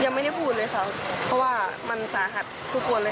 ยังไม่ได้พูดเลยค่ะเพราะว่ามันสาหัสทุกคนเลย